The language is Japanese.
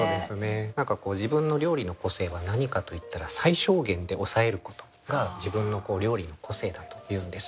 何か自分の料理の個性は何かといったら最小限で抑えることが自分の料理の個性だというんです。